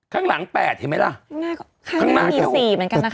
ข้างหลังแปดเห็นไหมล่ะข้างหน้าข้างหน้ามีสี่เหมือนกันนะคะ